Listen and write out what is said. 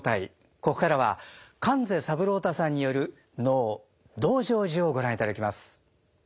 ここからは観世三郎太さんによる能「道成寺」をご覧いただきます。